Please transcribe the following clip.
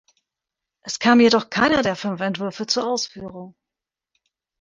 Es kam jedoch keiner der fünf Entwürfe zur Ausführung.